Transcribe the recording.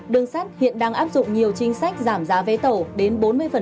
đường sắt hiện đang áp dụng nhiều chính sách giảm giá vé tàu đến bốn mươi